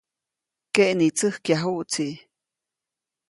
Keʼnitsäjkyajuʼtsi.